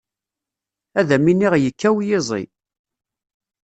Ad am iniɣ yekkaw yiẓi.